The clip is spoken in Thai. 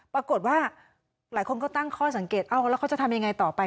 ปรากฏว่าหลายคนก็ตั้งข้อสังเกตเอ้าแล้วเขาจะทำยังไงต่อไป